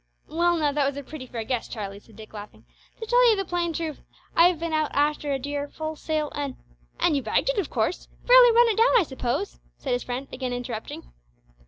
"Well, now, that was a pretty fair guess, Charlie," said Dick, laughing. "To tell ye the plain truth, I have been out arter a dear full sail an' " "And you bagged it, of course. Fairly run it down, I suppose," said his friend, again interrupting.